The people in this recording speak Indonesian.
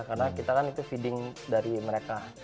karena kita kan itu feeding dari mereka